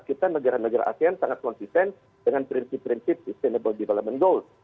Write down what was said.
kita negara negara asean sangat konsisten dengan prinsip prinsip sustainable development goals